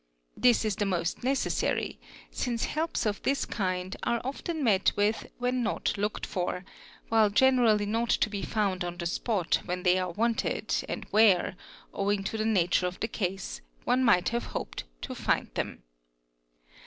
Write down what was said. This is the more necessary since helps of this kind are often — met with when not looked for, while generally not to be found on the : spot when they are wanted and where, owing to the nature of the case, one might have hoped to find them.